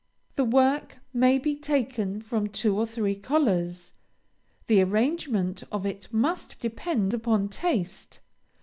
The work may be taken from two or three collars; the arrangement of it must depend upon taste.